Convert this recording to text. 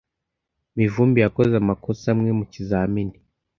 Mivumbi yakoze amakosa amwe mukizamini.